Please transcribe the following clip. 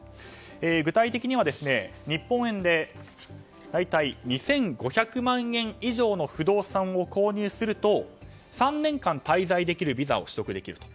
具体的には日本円で大体２５００万円以上の不動産を購入すると３年間滞在できるビザを取得できると。